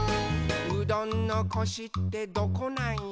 「うどんのコシってどこなんよ？」